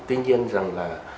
tuy nhiên rằng là